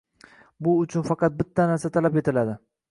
Bu uchun faqat bitta narsa talab etiladi.